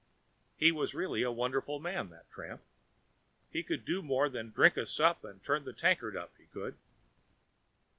He was really a wonderful man, that tramp! He could do more than drink a sup and turn the tankard up, he could.